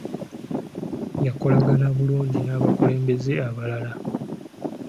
Yakolagana bulungi n'abakulembeze abalala.